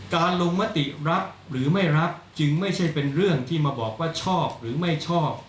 ลงมติรับหรือไม่รับจึงไม่ใช่เป็นเรื่องที่มาบอกว่าชอบหรือไม่ชอบ